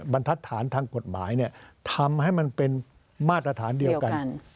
บรรทัศน์ทางกฎหมายทำให้มันเป็นมาตรฐานเดียวกัน